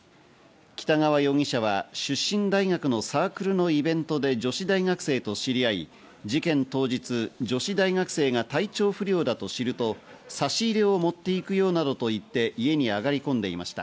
北川容疑者は出身大学のサークルのイベントで女子大学生と知り合い、事件当日、女子大学生が体調不良だと知ると差し入れを持っていくよなどと言って家に上がり込んでいました。